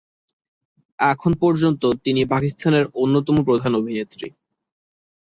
এখন পর্যন্ত তিনি পাকিস্তানের অন্যতম প্রধান অভিনেত্রী।